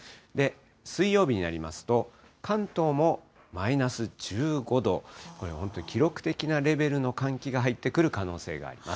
水曜日になりますと、関東もマイナス１５度、これ、本当に記録的なレベルの寒気が入ってくる可能性があります。